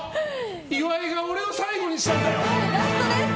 岩井が俺を最後にしたんだよ。